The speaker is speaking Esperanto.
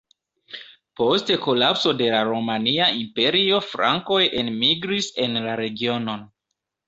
Post kolapso de la Romia Imperio frankoj enmigris en la regionon.